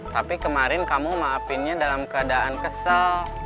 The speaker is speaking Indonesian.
tapi kemarin kamu maafinnya dalam keadaan kesel